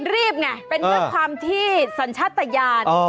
รีบไงเป็นเพื่อความที่สัญชาตญาณ